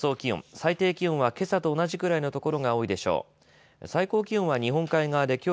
最低気温はけさと同じくらいの所が多いでしょう。